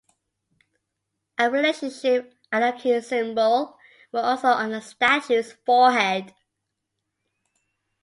A relationship anarchy symbol was also on the statue's forehead.